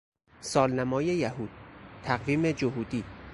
سالنمای یهود، تقویم جهودی